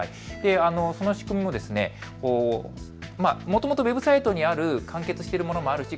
その仕組みももともとウェブサイトにある完結しているものもあるし